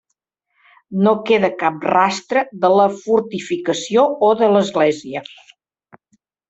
No queda cap rastre de la fortificació o de l'església.